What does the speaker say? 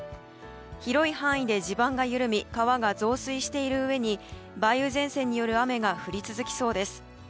広い範囲で地盤が緩み川が増水しているうえに梅雨前線による雨が降り続きそうです。